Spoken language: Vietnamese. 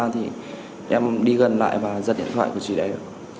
thì em đi gần lại và giật điện thoại của chị đấy